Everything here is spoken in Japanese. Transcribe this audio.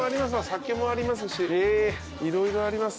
酒もありますし色々あります。